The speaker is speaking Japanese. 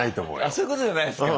あそういうことじゃないですか。